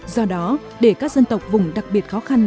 do đó để các dân tộc vùng đặc biệt khó khăn